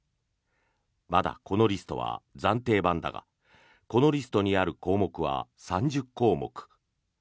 まだこのリストは暫定版だがこのリストにある項目は３０項目。